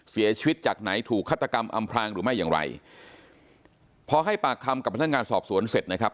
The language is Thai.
เสียชีวิตจากไหนถูกฆาตกรรมอำพลางหรือไม่อย่างไรพอให้ปากคำกับพนักงานสอบสวนเสร็จนะครับ